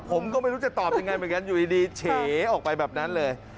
ผมก็ไม่รู้จะตอบยังไงเหมือนกันอยู่ดีเฉออกไปแบบนั้นเลย